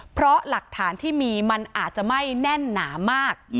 เพราะหลักฐานที่มีมันอาจจะไม่แน่นหนามาก